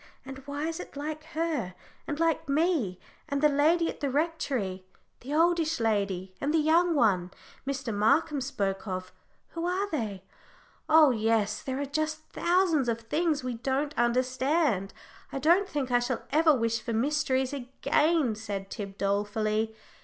and why is it like her, and like me? And the lady at the Rectory the oldish lady, and the young one Mr. Markham spoke of who are they? Oh yes, there are just thousands of things we don't understand. I don't think I shall ever wish for mysteries again," said Tib, dolefully.